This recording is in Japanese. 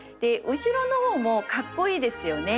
後ろの方もかっこいいですよね。